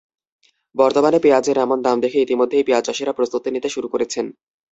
বর্তমানে পেঁয়াজের এমন দাম দেখে ইতিমধ্যেই পেঁয়াজচাষিরা প্রস্তুতি নিতে শুরু করেছেন।